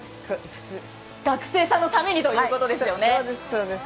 学生さんのためにということですよね。